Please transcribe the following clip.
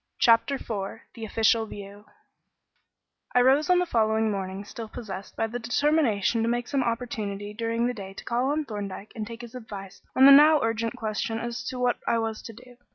Chapter IV The Official View I rose on the following morning still possessed by the determination to make some oportunity during the day to call on Thorndyke and take his advice on the now urgent question as to what I was to do.